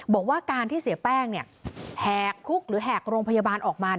บอกว่าการที่เสียแป้งแหกคุกหรือแหกโรงพยาบาลออกมา